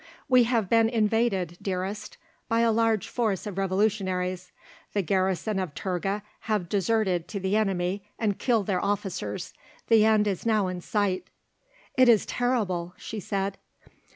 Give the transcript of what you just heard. "We have been invaded, dearest, by a large force of revolutionaries. The garrison of Turga have deserted to the enemy, and killed their officers. The end is now in sight." "It is terrible," she said.